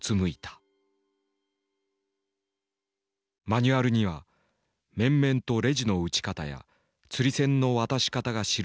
マニュアルには綿々とレジの打ち方や釣り銭の渡し方が記されていた。